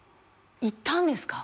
行ったんですか？